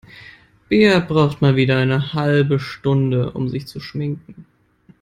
Bea braucht mal wieder eine halbe Stunde, um sich zu schminken.